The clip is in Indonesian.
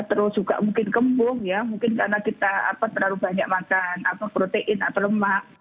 terus juga mungkin kembung ya mungkin karena kita terlalu banyak makan protein atau lemak